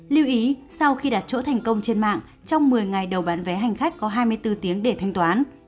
lưu ý sau khi đặt chỗ thành công trên mạng trong một mươi ngày đầu bán vé hành khách có hai mươi bốn tiếng để thanh toán